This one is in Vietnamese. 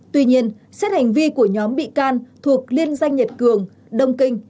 tuy nhiên xét hành vi của nhóm bị can thuộc liên danh nhật cường đông kinh